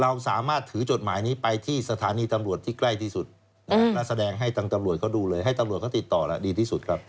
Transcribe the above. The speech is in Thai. เราสามารถถือจดหมายนี้ไปที่สถานีตำรวจที่ใกล้ที่สุดแล้วแสดงให้ทางตำรวจเขาดูเลยให้ตำรวจเขาติดต่อแล้วดีที่สุดครับ